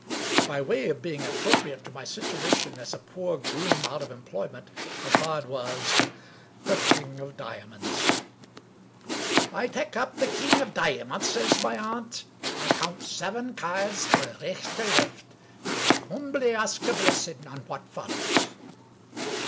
By way of being appropriate to my situation as a poor groom out of employment, the card was — ^the King of Diamonds. *' I tak' up the King o' Diamants," says my aunt. " I count seven cairds fra' richt to left; and I humbly ask a blessing on what follows."